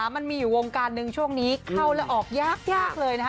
มันมีอยู่วงการหนึ่งช่วงนี้เข้าแล้วออกยากเลยนะคะ